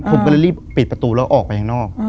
ผมก็เลยรีบปิดประตูแล้วออกไปข้างนอก